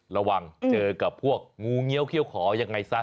ระวังเจอกับพวกงูเงี้ยวเขี้ยวขอยังไงซะ